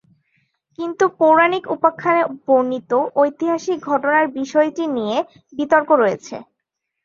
কিন্তু পৌরাণিক উপাখ্যানে বর্ণিত ঐতিহাসিক ঘটনার বিষয়টি নিয়ে বিতর্ক রয়েছে।